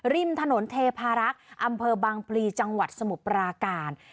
ริมถนนเทพารักษ์อำเภอบางพลีจังหวัดสมุทรปราการ